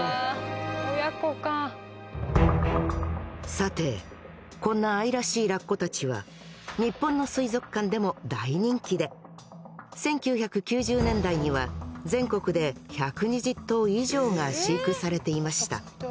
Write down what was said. さてこんな愛らしいラッコたちは日本の水族館でも大人気で１９９０年代には全国で１２０頭以上が飼育されていました。